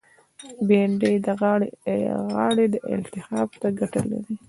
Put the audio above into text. بېنډۍ د غاړې التهاب ته ګټه لري